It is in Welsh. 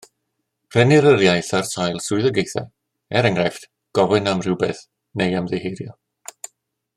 Rhennir yr iaith ar sail swyddogaethau, er enghraifft gofyn am rywbeth neu ymddiheuro.